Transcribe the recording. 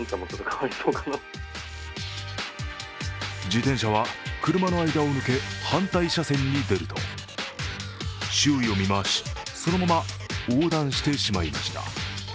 自転車は車の間を抜け反対車線に出ると周囲を見回し、そのまま横断してしまいました。